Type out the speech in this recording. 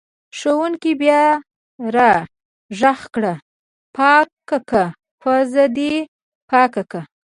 ښوونکي بیا راغږ کړ: پاکه که پوزه دې پاکه که!